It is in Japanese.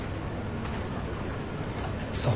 そう。